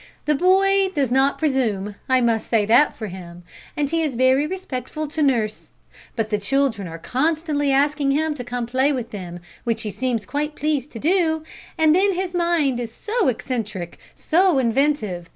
The boy does not presume, I must say that for him, and he is very respectful to nurse; but the children are constantly asking him to come and play with them, which he seems quite pleased to do, and then his mind is so eccentric, so inventive.